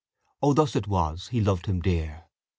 Oh, thus it was, he loved him dear.